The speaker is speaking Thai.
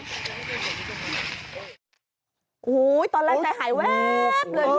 โอ้โหตอนแรงใจหายแวบเลยทุกคน